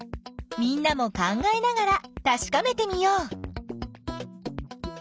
みんなも考えながらたしかめてみよう。